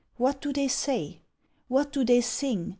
What do they say? What do they sing?